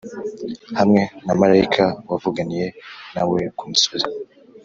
hamwe na marayika wavuganiye na we ku musozi